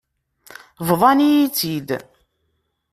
Bḍan-iyi-tt-id.